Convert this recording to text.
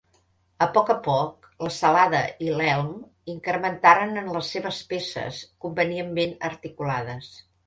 A poc a poc, la celada i l'elm incrementaren les seves peces, convenientment articulades.